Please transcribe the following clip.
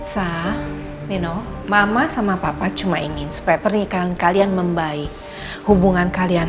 sah minum mama sama papa cuma ingin supaya pernikahan kalian membaik hubungan kalian